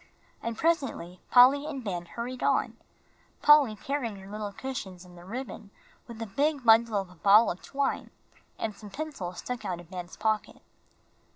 And presently Polly and Ben hurried out, Polly carrying her little cushions and the ribbon, while a big bundle of a ball of twine and some pencils stuck out of Ben's pocket.